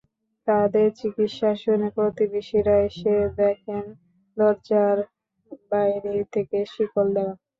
তাঁদের চিৎকার শুনে প্রতিবেশীরা এসে দেখেন দরজায় বাইরে থেকে শিকল দেওয়া।